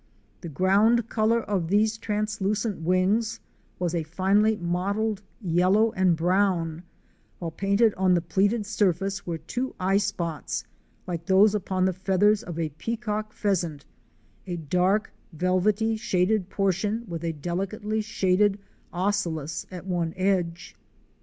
The ground color of these translucent wings was a finely mottled yellow and brown, while painted on the pleated sur face were two eye spots like those upon the feathers of a Peacock pheasant, a dark velvety shaded portion with a delicately shaded ocellus at one edge.